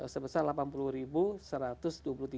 sebesar delapan puluh ribu satu ratus dua puluh ribu